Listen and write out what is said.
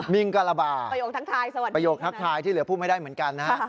มิงกระบาดประโยคทัคทายที่เหลือพูดไม่ได้เหมือนกันนะ